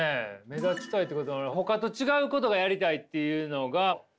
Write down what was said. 「目立ちたい」ってことはほかと違うことがやりたいっていうのが。